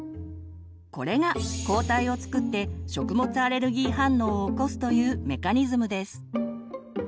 これが抗体を作って食物アレルギー反応を起こすというメカニズムです。